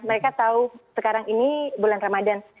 mereka tahu sekarang ini bulan ramadhan